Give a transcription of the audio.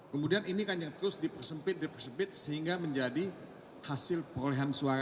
kemudian ini kan yang terus dipersempit dipersempit sehingga menjadi hasil perolehan suara